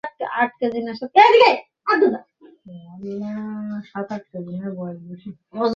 আমি সঁই করছি।